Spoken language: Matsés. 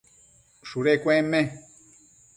shudu cuenme